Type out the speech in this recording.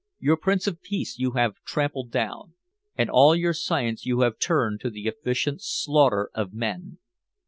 Your Prince of Peace you have trampled down. And all your Science you have turned to the efficient slaughter of men.